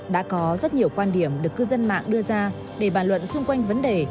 đã có rất nhiều quan điểm được cư dân mạng đưa ra để bàn luận xung quanh vấn đề